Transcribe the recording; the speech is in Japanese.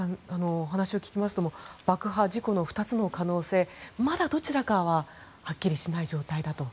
お話を聞きますと爆破、事故の２つの可能性まだどちらかははっきりしていない状態だと。